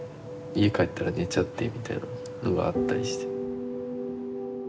家帰ったら寝ちゃってみたいなのがあったりして。